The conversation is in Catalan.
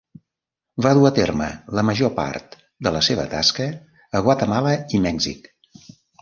Va dur a terme la major part de la seva tasca a Guatemala i Mèxic.